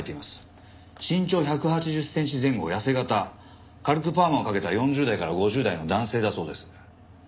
身長１８０センチ前後痩せ形軽くパーマをかけた４０代から５０代の男性だそうです。